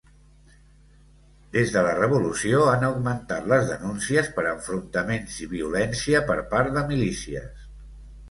Des de la revolució, han augmentat les denúncies per enfrontaments i violència per part de milícies.